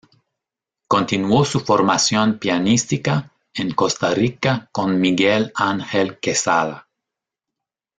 Continuó su formación pianística en Costa Rica con Miguel Angel Quesada.